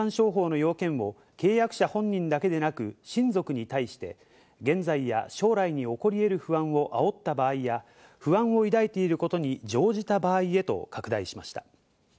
さらに霊感商法の要件を契約者本人だけでなく親族に対して現在や将来に起こり得る不安をあおった場合や不安を抱いていることに乗じた場合へと拡大しました。